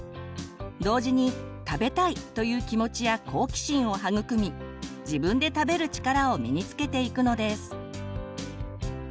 同時に「食べたい」という気持ちや好奇心を育み自分で食べる力を身につけていくのです。